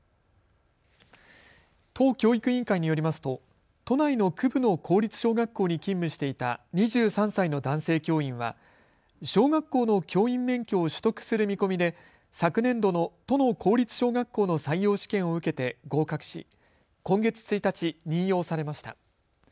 都教育委員会によりますと都内の区部の公立小学校に勤務していた２３歳の男性教員は小学校の教員免許を取得する見込みで昨年度の都の公立小学校の採用試験を受けて合格し今月１日、任用されました。